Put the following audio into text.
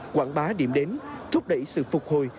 quảng bá điểm đến thúc đẩy sự phục hồi